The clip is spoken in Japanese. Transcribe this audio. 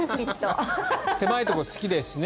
狭いところ好きですしね。